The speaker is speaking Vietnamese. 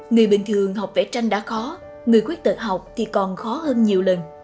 người bình thường học vẽ tranh đã khó người khuyết tật học thì còn khó hơn nhiều lần